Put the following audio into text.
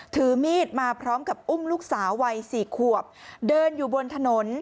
ถือมีดมาพร้อมกับอุ้มลูกสาววัยสี่ขวบเดินอยู่บนถนน